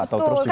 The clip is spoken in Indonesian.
atau terus juga